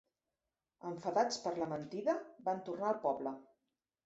Enfadats per la mentida van tornar al poble.